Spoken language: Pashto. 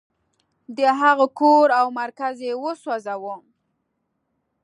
د هغه کور او مرکز یې وسوځاوه.